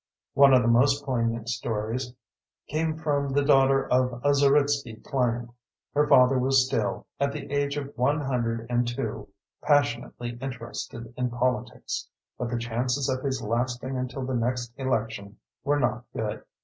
One of the most poignant stories came from the daughter of a Zeritsky client. Her father was still, at the age of one hundred and two, passionately interested in politics, but the chances of his lasting until the next election were not good.